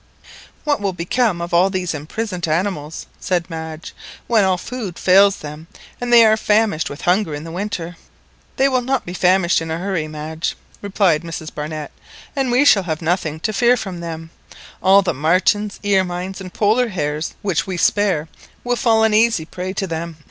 "What will become of all these imprisoned animals," said Madge, "when all food fails them, and they are famished with hunger in the winter?" "They will not be famished in a hurry, Madge," replied Mrs Barnett, "and we shall have nothing to fear from them; all the martens, ermines, and Polar hares, which we spare will fall an easy prey to them.